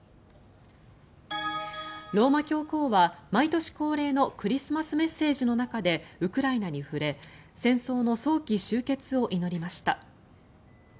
ローマ教皇は毎年恒例のクリスマスメッセージの中でウクライナに触れ戦争の早期終結を祈りました。